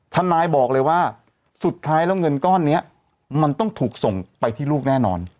ทนายบอกเลยว่าสุดท้ายแล้วเงินก้อนนี้มันต้องถูกส่งไปที่ลูกแน่นอน